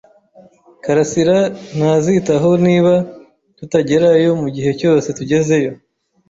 karasira ntazitaho niba tutagerayo mugihe cyose tugezeyo.